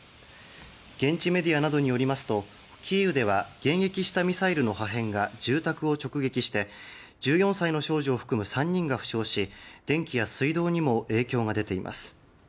現地メディアなどによりますとキーウでは迎撃したミサイルの破片が住宅を直撃して１４歳の少女を含む３人が負傷し電気や水道にも影響が出ています。